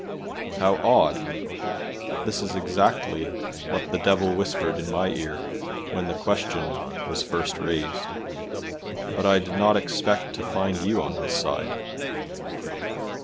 "How odd! This is exactly what the Devil whispered in my ear when the question was first raised, but I did not expect to find you on his side."